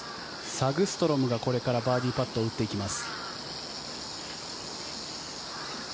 サグストロムがこれからバーディーパットを打っていきます。